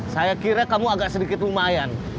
saya kira kamu agak sedikit lumayan